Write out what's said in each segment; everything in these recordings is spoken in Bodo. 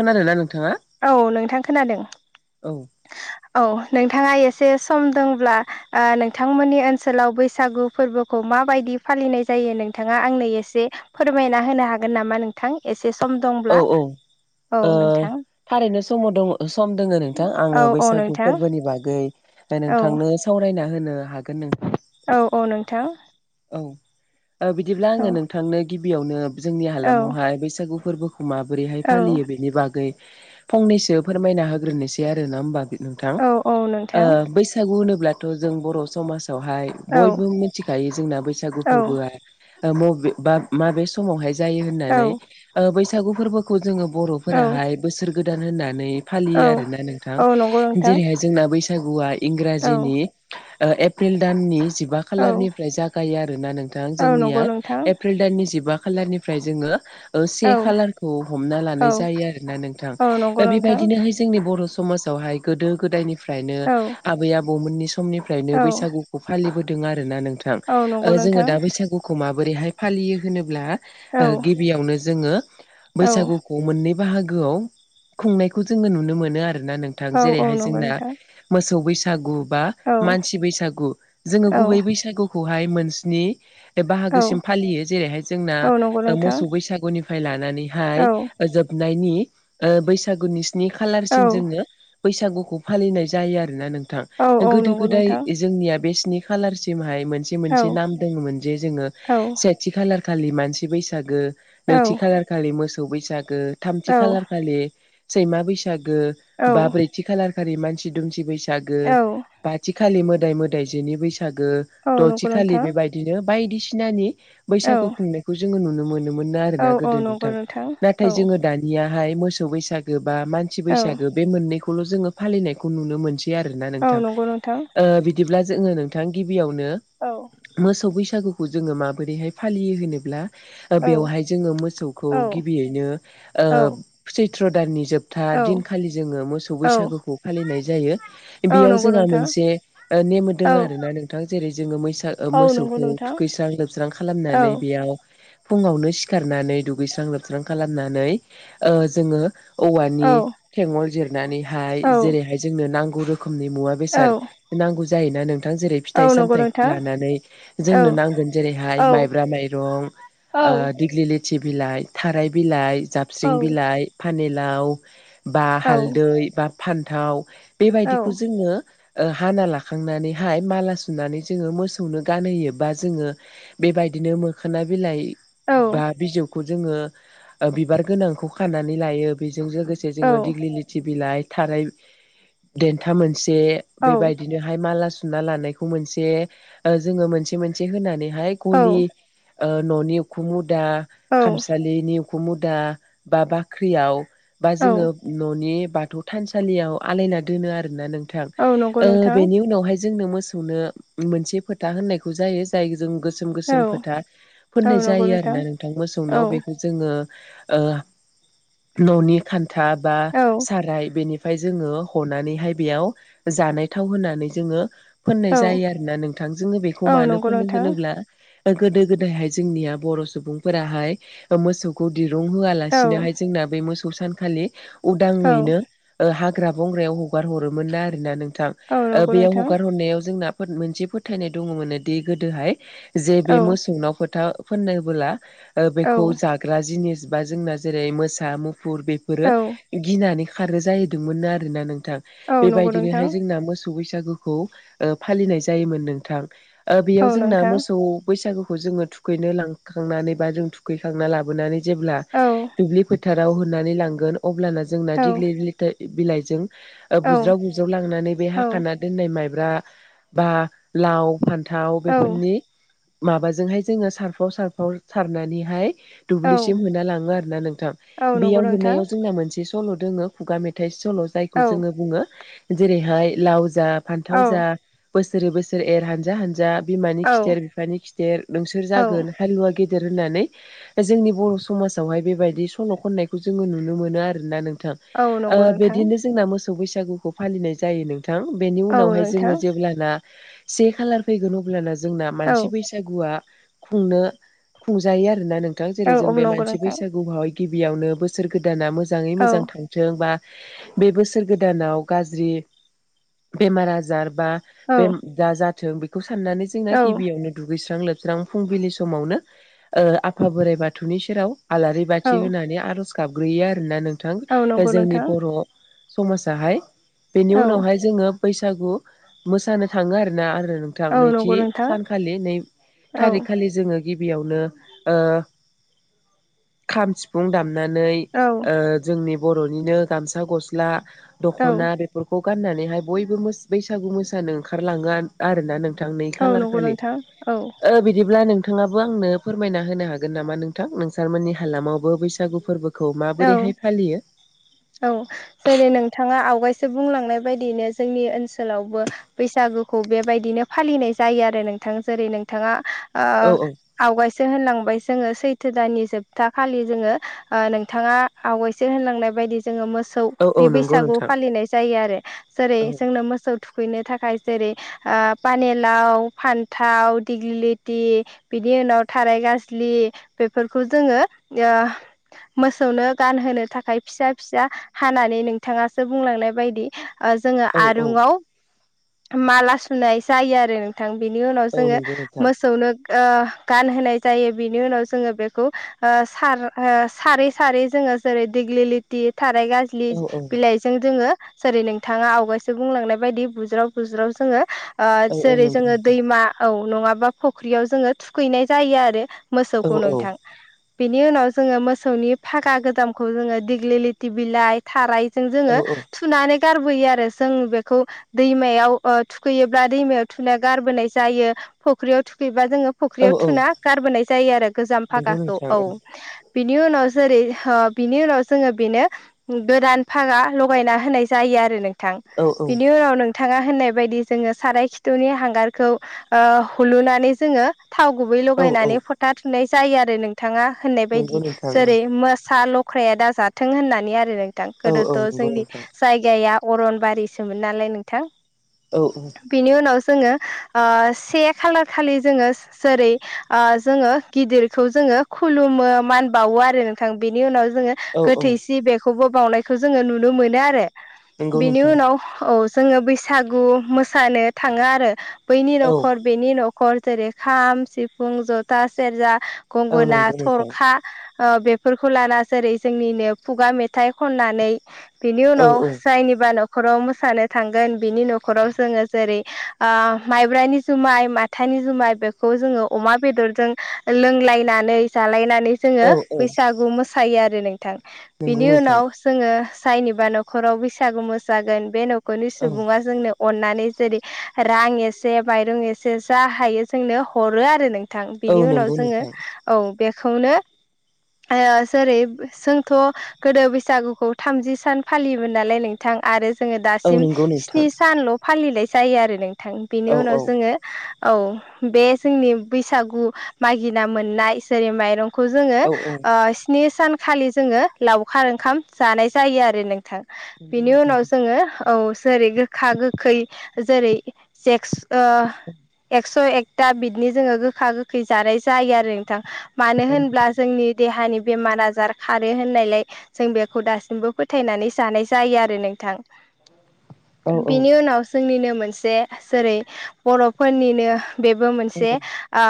खोनादोना नों- औ नोंथां खोनादों। औ औ नोंथाङा एसे सम दंब्ला आ नोंथांमोननि ओनसोलाव बैसागु फोरबोखौ मा माबायदि फालिनाय जायो नोंथाङा आंनो एसे फोरमायना होनो हागोन नामा नोंथां एसे एसे सम औ दंब्ला औ ओ औ नोंथां थारैनो समाव दङ सम दोङो नोंथां आङो औ औ बैसागु नोंथां फोरबोनि बागै औ नोंथांनो सावरायना होनो हागोन नों - थां औ बिदिब्ला आङो नोंथांनो गिबियावनो जोंनि औ हालामावहा बैसागु फोर्बोखौ माबोरैहाय औ फालियो बेनि बागै फंनैसो फोरमायना होग्रोनोसै आरो ना होमबा नोंथां औ औ नोंथां बैसागु होनोब्लाथ' जों बर' समाज बेवहाय औ बयबो मिथिखायो जोंना बैसागु औ फोर्बोआ मबे बा माबे समावहाय जायो औ होननानै बैसागु फोरबोखौ जोङो बर' औ फोराहाय बोसोर गोदान होननानै औ फालियो आरो ना नोंथां औ नंगौ नोंथां जेरैहाय जोंना बैसाग बैसागुआ औ इंराजिनि एप्रिल दाननि जिबा औ खालारनिफ्राय जाग- योआरो ना नोंथां औ जोंनिया नंगौ नोंथां एप्रिल दाननि जिबा खालारनिफ्राय जोङो औ से खालारखौ हमना औ लानाय जायो आरो ना नोंथां औ नंगौ नोंथां बेबायदिनो हाय जोंनि बर' समाजावहाय गोदो गोदायनिफ्रायनो औ आबै आबौमोननि समनिफ्रायनो औ बैसागुखौ फालिबोदों आरो ना नोंथां औ नंगौ जोंङो नोंथां दा बैसागुखौ मा- बोरैहाय फालियो होनोब्ला औ गिबियावनो जोङो औ बैसागुखौ मोननै बाहागोआव खुंनायखौ जोङो नुनो मोनो आरो ना नोंथां औ जेरैहाय नंगौ जोंना नोंथां मोसौ बैसागु बा औ मानसि बैसागु जोङो औ गुबै बैसागुखौहाय मोन स्नि बे औ बाहागोसिम फालियो जेरैहाय जोंना औ नंगौ नोंथां मोसौ बैसागुनिफ्राय लानानैहाय औ जोब नायनि ओ बैसागुनि स्नि औ खालारसिम जोङो बैसागुखौ फालिनाय जायो आरोना नों थां औ औ गोदो नंगौ गोदाय नोंथां जोंनिया बे स्नि खालारसिमहाय मोन मोनसे औ मोनसे नाम दङोन जे जोङो औ सेथि खालार खालि मानसि बैसागो औ नैथि खालारखालि मोसौ बैसागो औ थामथि खालार खालि सैमा बैसागो औ गो बा ब्रैथि खालरखालि मानसि दुमसि बैसागो औ बाथि खा मोदाय मोदाय जोनि बैसागो औ नंगौ दथिखालि नोंथां बेबायदिनो बायदिसिनानि औ बैसागु खुंनायखौ जोङो नुनो मोनो। मोन औ आरोना औ गोदो नंगौ नोंथां औ नाथाय जोङो दानिया बाहाय मोसौ बैसागो बा मानसि औ बैसागो बे मोननैखौल' जोङो फालिनायखौ नुनो मोनसै आरोना औ नोंथां नंगौ नोंथां बिदिब्ला जोङो नोंथां गिबियावनो औ मोसौ बैसागुखौ जोङो माबोरैहाय फालियो होनोब्ला औ बेवहाय जोङो मोसौखौ औ गिबियैनो औ सैथ्र' दाननि जोब जोबथा दिनखालि जोङो मोसौ औ बैसागुखौ फालिनाय जायो औ बेयाव नंगौ जोंहा नोंथां मोनसे नेम औ दङ आरो ना नोंथां जेरै जोङो मैसा औ नंगौ मोसौखौ नोंथां थुखैस्रां लोबस्रां औ खालामनानै बेयाव फुङावनो सिखारनानै दुगैस्रां लोबस्रां खालामनानै जोङो औवानि औ थेंगल जिरनानैहाय जेरैहाय जोंनो नांगौ रोखोम रोखोमनि मुवा औ बेसाद नांगौ जायोना नोंथां जेरै औ फिथाइ नंगौ सामथाइ नोंथां लानानै औ जोंनो नांगोन जेरैहाय माइब्रा माइरं दिग्लि थथि बिलाइ थाराय बिलाइ औ जाबस्रिं बिलाइ फानिलाव बा औ हालदै बा फान्थाव औ बेबायदिखौ जोङो हाना लाखांनानैहाय माला सुनानै जोङो मोसौनो गानहोयो बा जोङो बेबायदिनो मोखोना बिलाइ बा बिजौखौ जोङो बिबार गोनांखौ खानानै लायो जों लोगोसे औ जोो दिग्लि लथि बिलाइ थार दथा मोन बेबायदिनोहाय माला सुना लानायखौ मोनसे जोङो मोनसे मोनसे होनानै हाय गलि औ न'नि उखुम मुदा औ खामसालिनि खुमुदा बा बाख्रियाव बा जोङो औ न'नि बाथौ थानसालियाव आलायना दोनो आरोोना नोंथां औ नंगौ नोंथां बेनि उनावहाय जोंनो मोसौनो मोनसे फोथा होननायखौ जायो जाय जों गोसोम औ गोसोम फोथा औ फोननाय नंगौ जायो आरो ना नोंथां मोसौनाव औ बेखौ जोङो न'नि खान्था बा औ साराय बेनि फ्राय जोङो हनानैहाय बेयाव जानाय थाव होनानै जोङो फोननाय औ जायो आरो ना नोंथांजोंङो बेखौ औ नंगौ मानोफोरनो नोंथां होनोब्ला गोदो गोदायहाय जोंनिया बर' सुबुंफोराहाय मोसौखौ दुं होआ औ लासिनोहाय जोंना बे मोसौ सान खालि औ उदांयैनो हाग्रा बंग्रायाव हगार हरोमोन ना आर ना नोंथां औ नंगौ बेयाव नोंथां हगार हरनायाव जोंना मोनसे फोथायनाय दङ मोनो दि गोदोहाय जे औ बे मोसौनाव फोथा फोननोबोला औ बेखौ जाग्रा जिनिस बा जोंना जेरै मोसा म फुर औ बेफोरो गिनानै खारो जाहैदोंमोन आरोना नों थां औ नंगौ नोंथां बेबायदिनोहाय जोंना मोसौ बैसागुखौ फालिनाय जायोमोन नोंथां ओ औ बेयाव जोंना नोंथां मोसौ बैसागुखौ जोङो थुखैनो लांखांनानै बा जों थुखैखांना लाबोनानै जेब्ला औ दुब्लि फोथाराव होनानै लांगोन अब्लाना जोंना औ दिडग्लि लिटार बिलाइजों औ बुज्राव गुज्राव लांनानै बे हाखाना दोननाय माइब्रा बा लाव फान थाव औ बेफोरनि माबाजोंहाय जोङो सारफाव सारफाव सारनानैहाय औ दुब्लिसिम होना लाङो आरो ना नोंथां औ नंगौ बेयाव नोंथां होनायाव जोंना मोनसे सल'दङ खुगा मेथाय जायखौ औ जोङो बङो जेरैहाय लाव जा औ फान्थाव जा बोसोरै बोसोर एर हानजा हानजा बिमानि औ खिथेर बिफानि खिथेर नोंसोर औ जागोन हालुवा गेदेर गिदिर होननानै जोंनि बर' समाजावहाय बेबायदि सल' खननायखौ जोंङो नुनो मोनो आरोना नों औ नंगौ नोंथां बिदिनो जोंना मोसौ बैसागुखौ फालिनाय जायो नों औ नोंथां नोंथां जेब्लाना जोंना से खालार फैगोन अब्लाना जोंना मानसि औ बैसागुआ खुंनो खुंजायो आरोना नों थां जेरै औ जों बे नंगौ मानसि नोंथां बैसागुआवाय गिबियावनो बोसोर गोदाना मोजाङै मोजां औ थांथों बा बे बोसोर गोदानाव गाज्रि बेमार आजार बा बे औ दा जाथों बेखौ साननानै जोंना औ गिबियावनो दुगैस्रां लोबस्रा स्रां फुंबिलि समावनो आफा बोराइ बाथौनि सेराव आलारि बाथि औ होनानै आर'ज गाबग्रोयो आरोना नोंथां औ नंगौ जोंनि नोंथां बर' समाजाहाय बेनि औ उनावहाय जोङो बैसागु मोसानो थांङो आरोना आरो नोंथां औ नैथि नंगौ नोंथां सानखालि नै औ थारिखखालि जोंङो गिबियावनो खाम, सिफुं दामनानै औ ओ जोंनि बर'निनो गामसा गस्ला औ दख'ना बेफोरखौ गाननानैहाय बयबो बैसागु मोसानो ओंखारलांङो आरोना। नों थां नै औ खालार नंगौ खालि नोंथां औ बिदिब्ला नों थांङाबो आंनो फोरमायना होनो हागोन नामा नोंथां नोंसारमोननि हालामावबो बैसागु फोरबो औ औ जेरै नोंथांङा आवगायसो बुंलांनाय बायदियैनो जोंनि ओनसोलावबो बैसागुखौ बेबायदिनो फालिनाय जायो आरो नोंथां। जेरै नोंथांङा औ औ आवगायसो होनलांबाय जोङो सैथो दाननि जोबथा खालि जोङो नोंथांङा आवायसो होनलांनाय बायदि जोंङो मोसौ औ औ मोसौनि नंगौ बैसागु नोंथां फालिनाय जायो आरो जेरै औ जोंनो मोसौ थुखैनो थाखाय जेरै पानेलाव फान्थाव दिग्लि लिटि बिनि उनाव थाराय गाज्लि बेफोरखौ जोङो मोसौनो गानहोनो थाखाय फिसा फिसा हानानै नोंथाङासो बुंलांनाय बायदि जोङो औ औ आरुंवाव माला सुनाय जायो आरो। बिनि उनाव औ जोङो नंगौ नोंथां मोसौनो गानहोनाय जायो। बिनि उनाव जोंङो बेखौ सार सारै सारै जोङो जेरै देग्लि लिथि थाराय गाज्लि औ औ बिलाइजों जोङो जेरै नोंथाङा आवगायसो बुंलांनाय बायदि बुज्राव बुज्राव जोङो औ औ नंगौ जेरै जोङो नोंथां दैमा औ नंङाबा फख्रियाव जोंङो थुखैनाय जायो आरो। औ मोसौखौ औ नोंथां बेनि उनाव जोङो मो मोसौनि फागा गोजामखौ जोङो दिग्लि लथि बिलाइ थारायजों औ जोङो थुनानै गारबोयो आरो जों बेखौ दैमायाव थुखैयोब्ला दैमायाव थुना गारबोनाय जायो। फुख्रियाव थुखैबा जोङो औ फख्रियाव औ थुना गारबोनाय जायो आरो गोजाम नंगौ फागाखौ नोंथां औ। बिनि उनाव जेरै बिनि उनाव जोङो बेनो गोदान फागा लगायना होनाय जायो आरो नों थां। औ बिनि उनाव नों थाङा होननाय बायदि जोङो साराय खिथुनि हांगारखौ हुलुनानै जोंङो थाव गुबै औ औ लगायनानै फोथा थुनाय जायो आरो नोंथाङा होननाय बायदि नंगौ नोंथां औ जेरै मो सा लख्राया दाजाथों होननानै आरो नोंथां औ गोदोथ' औ नंगौ जोंनि नोंथां जायगाया अरनबारिसोमोन नालाय नोंथां औ औ बिनि उनाव जोङो से खालार खालि जोङो जेरै जोङो गिदिरखौ जों खुलुमो मान बावो आरो नोंथां बेनि उनाव जोङो औ औ गोथैसि बेखौबो बावनायखौ जोङो नुनो मोनो आरो। नंगौ बिनि नोंथां औ उनाव औ जोङो बैसागु मोसानो थाङो आरो। बैनि न'खर बेनि न'खर जेरै खाम, सिफुं, जथा, सेरजा औ गंगोना, नंगौ नोंथां थरखा बेफोरखौ लाना जेरै जोंनिनो खुगा मेथाइ खननानै बिनि औ उनाव जायनिबा नख राव मोसानो थांगोन बिनि न'खराव जोङो जेरै ओ माइब्रानि जुमाय माथानि जुमाय बेखौ जोङो अमा बेदर जों लोंलायनानै जालायनानै जोङो औ औ बैसागु मोसायो आरो नोंथां बिनि नंगौ नोंथां उनाव जोङो जायनिबा न'खराव बैसागु मोसागोन बे न'खरनि औ सुबुङा जोंनो अननानै जेरै रां एसे माइरं एसे जा हायो जोंनो हरो आरो नों- थां औ बिनि उनाव नंगौ जोङो नोंथां औ बेखौनो ओ जेरै जोंथ' गोदो बैसागुखौ थामजि सान फालियोमोन नालाय नोंथां आरो जोङो औ दासिम नंगौ नोंथां स्नि सानल' फालिनाय जायो आरो नोंथां बेनि औ उनाव औ जोङो औ बे जोंनि बैसागु मागिना मोननाय जेरै माइरं खौ जोङो औ औ ओ स्नि सानखालि जोङो लावखार ओंखाम जानाय जायो आरो नोंथां। नंगौ बिनि नोंथां उनाव जोङो औ जेरै गोखा गोखै जेरै सेक्स ओ एकस' एकथा बिदिनो जोंङो गोखा गोखै जानाय जायो आरो नोंथां मानो औ होनब्ला जोंनि देहानि बेमार आजार खारो होननायलाय जों बेखौ दासिमबो फोथायनानै जानाय जायो आरो नोंथां। औ बिनि उनाव जोंनिनो मोनसे जेरै बर'फोरनिनो बेबो औ मोनसे आ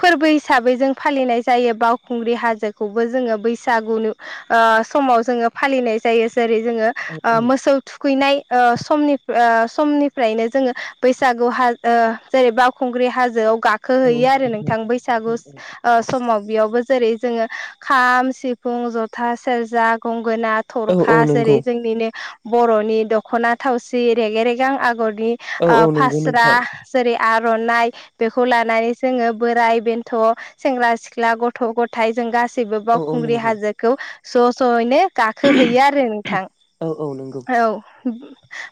फोरबो हिसाबै जों फालिनाय जायो बाव खुंग्रि हाजोखौबो जोंङो बैसागुनु ओ समाव जोंङो फालिनाय जायो। जेरै जोंङो ओ औ मोसौ थुखैनाय ओ समनि फ्र अ समनिफ्रायनो जोंङो बैसागु हाद ओ जेरै बावखुंग्रि हाजोआव औ गाखोहैयो आरो नोंथां बैसागुस ओ समाव बेयावबो जेरै जोऔङो खाम सिफुं जथा सेरजा गं गोना औ औ थरखा नंगौ जेरै जोंनिनो बर'नि दख'ना थावसि रेगे रेगें आगर नि औ अ औ नंगौ फास्रा नोंथां जेरै आर'नाइ बेखौ लानानै जोंङो बोराइ बेन्थ' सेंग्रा सिख्ला गथ' गथ' गथाय जों गासैबो औ औ बावखुंग्रि नंगौ हाजोखौ स' स'यैनो गाखोहैयो आरो नोंथां औ औ नंगौ औ।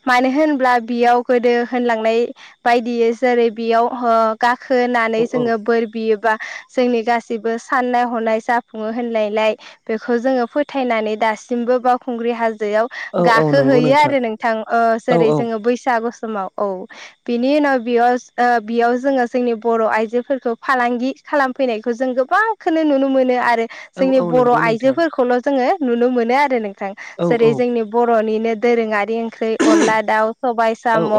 मानो होनब्ला बेयाव गोदो होनलांनाय बायदि जेरै बेयाव हो गा खोनानै औ औ जोंङो बोर बियोबा जोंनि गासिबो साननाय हनाय जाफुङो होनलायलाय बेखौ जोंङो फोथायनानै दासिमबो बावखुंग्रि हाजो आव औ औ नंगौ गाखोहैयो आरो नोंथां ओ औ जेरै औ जोंङो बैसागो समाव औ बिनि उनाव बेयास बेयाव जोंङो जोंनि बर' आइजोफोरखौ फालांगि खालामफैनायखौ जों गोबां खोनो नुनो मोनो आरो औ जोंनि औ बर' नंगौ नोंथां आइजोफोरखौल' जोंङो नुनो मोनो आरो नों थां औ जेरै जोंनि बर'निनो दोरोङारि ओंख्रि अनला दाउ सबायाइ औ साम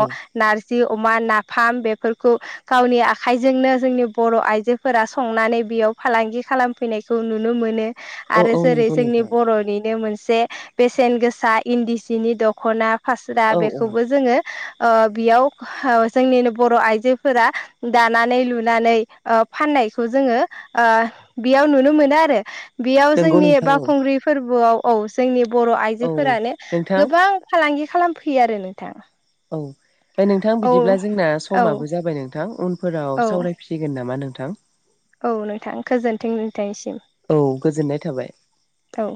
नारजि जि अमा नाफाम बेफोरखौ गावनि आखाइजोंनो जोंनि बर' आइजोफोरा संनानै बेयाव फालांगि खालामफैनायखौ नुनो मोनो औ आरो औ जेरै नंगौ जोंनि नोंथां बर'निनो मोनसे से बेसेन गोसा इन्दि सिनि दख'ना फास्रा औ औ बेखौबो जोंङो ओ बेयाव हाव जोंनिनो बर' आइजोफोरा दानानै लुनानै ओ फाननाय न्नायखौ जोंङो ओ बेयाव नुनो मोनो आरो बेयाव नंगौ जोंनि नोंथां औ बावखुंग्रि फोरबोआव औ जोंनि बर' औ आइजोफोरानो नोंथां गोबां फालांगि खालामफैयो आरो नोंथा औ फ्राय नोंथां बिदिब्ला जोंना औ समाबो जाबाय नोंथां उनफोराव औ सावरायफिसिगोन नामा नों थां औ नोंथां गोजोन्थों नोंथांनिसि औ गोजोननाय थाबाय। औ